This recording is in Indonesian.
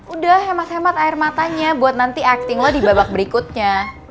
udah hemat hemat air matanya buat nanti acting lah di babak berikutnya